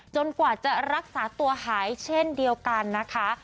กว่าจะรักษาตัวหายเช่นเดียวกันนะคะ